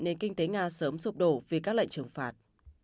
nền kinh tế nga sớm sụp đổ vì các lệnh trừng phạt